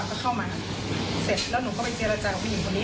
ก็เข้ามาเสร็จแล้วหนูก็ไปเจรจากับผู้หญิงคนนี้